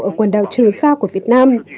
ở quần đảo trừ xa của việt nam